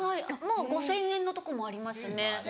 ５０００円のとこもありますね。